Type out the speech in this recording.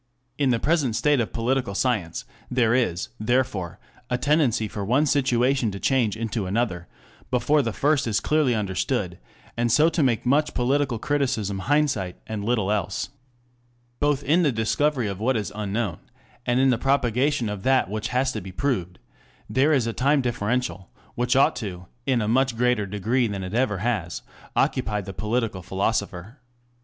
In the present state of political science there is, therefore, a tendency for one situation to change into another, before the first is clearly understood, and so to make much political criticism hindsight and little else. Both in the discovery of what is unknown, and in the propagation of that which has been proved, there is a time differential, which ought to, in a much greater degree than it ever has, occupy the political philosopher.